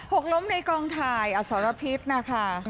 กล้มในกองถ่ายอสรพิษนะคะ